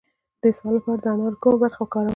د اسهال لپاره د انارو کومه برخه وکاروم؟